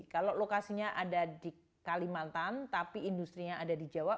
kalau lokasinya ada di kalimantan tapi industrinya ada di jawa